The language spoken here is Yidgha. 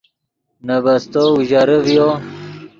نے بستو اوژرے ڤیو